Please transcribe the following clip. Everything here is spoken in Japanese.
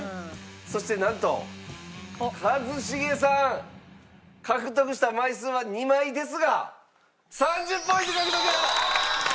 そしてなんと一茂さん獲得した枚数は２枚ですが３０ポイント獲得！